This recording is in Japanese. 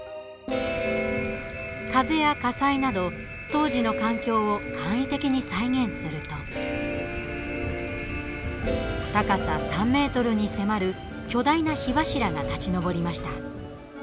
風や火災など当時の環境を簡易的に再現すると高さ３ｍに迫る巨大な火柱が立ち上りました。